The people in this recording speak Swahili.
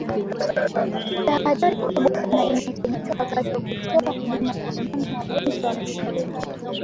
Tahadhari kubwa sana inahitajika wakati wa kutoa huduma kwa wanyama wagonjwa wa kimeta